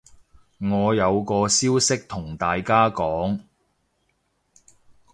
我有個消息同大家講